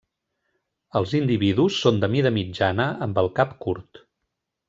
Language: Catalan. Els individus són de mida mitjana, amb el cap curt.